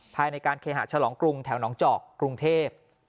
ภายในการเคหาฉลองกรุงแถวหนองจอกกรุงเทพ